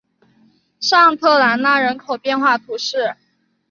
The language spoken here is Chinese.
尚特兰讷人口变化图示